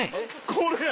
これや！